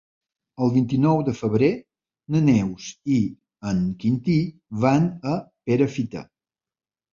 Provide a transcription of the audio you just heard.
El vint-i-nou de febrer na Neus i en Quintí van a Perafita.